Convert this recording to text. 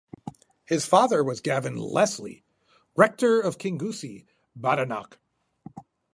His father was Gavin Lesley, rector of Kingussie, Badenoch.